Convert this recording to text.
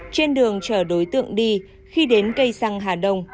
trên đường chở đối tượng đi khi đến cây xăng hà đông